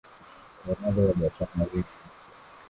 urari wa biashara hiyo ya nje